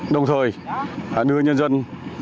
đồng thời đưa dân dân